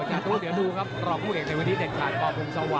จัดตู้เดี๋ยวดูครับรอผู้เด็กในวันนี้เด็ดขาดบอกคุณสวรรค์